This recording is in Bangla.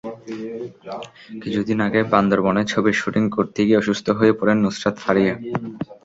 কিছুদিন আগে বান্দরবানে ছবির শুটিং করতে গিয়ে অসুস্থ হয়ে পড়েন নুসরাত ফারিয়া।